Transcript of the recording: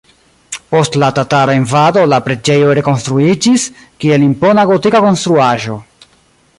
Post la tatara invado la preĝejo rekonstruiĝis, kiel impona gotika konstruaĵo.